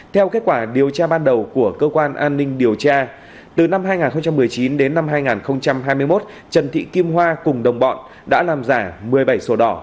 theo kết quả điều tra ban đầu của cơ quan an ninh điều tra từ năm hai nghìn một mươi chín đến năm hai nghìn hai mươi một trần thị kim hoa cùng đồng bọn đã làm giả một mươi bảy sổ đỏ